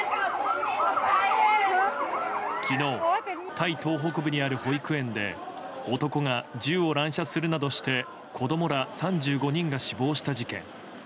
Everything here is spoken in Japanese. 昨日タイ東北部にある保育園で男が銃を乱射するなどして子供ら３５人が死亡した事件。